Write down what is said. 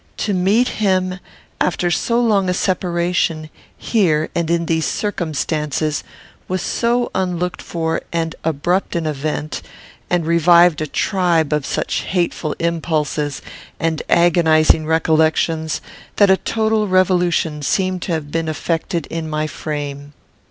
To meet him, after so long a separation, here, and in these circumstances, was so unlooked for and abrupt an event, and revived a tribe of such hateful impulses and agonizing recollections, that a total revolution seemed to have been effected in my frame.